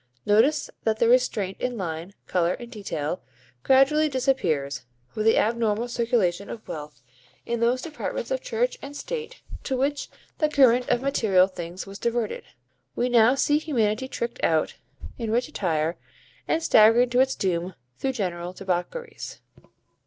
Notice that the restraint in line, colour and detail, gradually disappears, with the abnormal circulation of wealth, in those departments of Church and State to which the current of material things was diverted. We now see humanity tricked out in rich attire and staggering to its doom through general debaucheries.